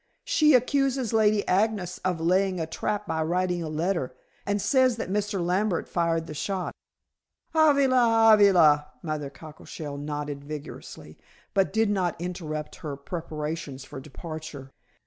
"She accuses Lady Agnes of laying a trap by writing a letter, and says that Mr. Lambert fired the shot." "Avali! Avali!" Mother Cockleshell nodded vigorously, but did not interrupt her preparations for departure.